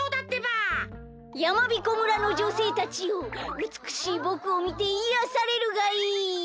やまびこ村のじょせいたちようつくしいぼくをみていやされるがいい！